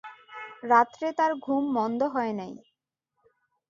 রাত্রে তার ঘুম মন্দ হয় নাই।